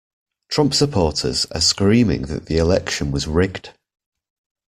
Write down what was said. Trump supporters are screaming that the election was rigged.